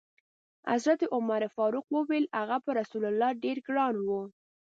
حضرت عمر فاروق وویل: هغه پر رسول الله ډېر ګران و.